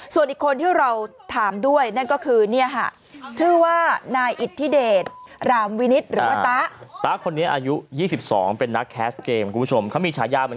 ส่วนอีกคนที่เราถามด้วยนั่นก็คือเนี่ยค่ะ